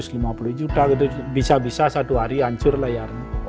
bisa bisa satu hari hancur layarnya